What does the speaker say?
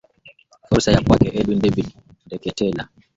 furusa ya kwake edwin david ndeketela